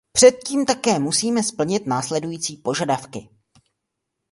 Předtím také musíme splnit následující požadavky.